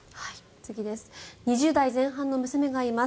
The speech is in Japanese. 次です。